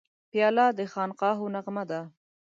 پیاله د خانقاهو نغمه ده.